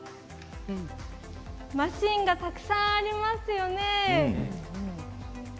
マシーンがたくさんありますよね。